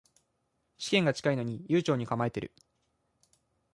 試験が近いのに悠長に構えてる